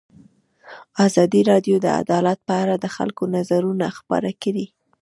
ازادي راډیو د عدالت په اړه د خلکو نظرونه خپاره کړي.